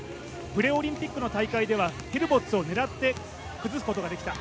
プレオリンピックの大会ではヘルボッツを狙って崩すことができた。